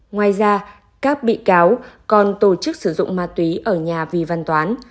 ngoài ra các bị cáo còn tổ chức sử dụng ma túy ở nhà vị văn toán